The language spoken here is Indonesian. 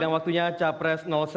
waktunya capres satu